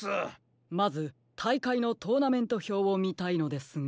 まずたいかいのトーナメントひょうをみたいのですが。